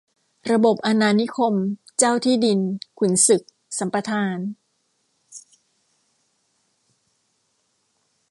ระบบอาณานิคม เจ้าที่ดิน-ขุนศึก สัมปทาน